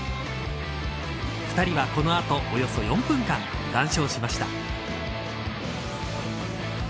２人はこの後、およそ４分間談笑しました。